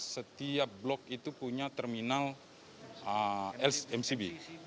setiap blok itu punya terminal mcb